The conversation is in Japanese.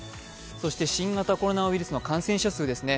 そして新型コロナウイルスの感染者数ですね。